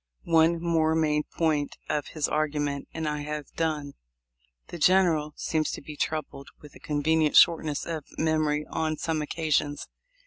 One more main point of his argument and I have done. The General seems to be troubled with a convenient shortness of memory on some occasions.